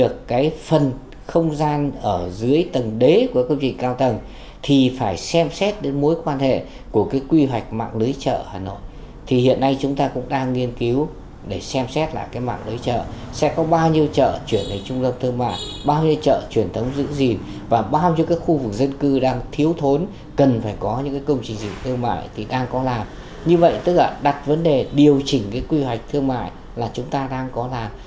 công trình quy hoạch thương mại là chúng ta đang có làm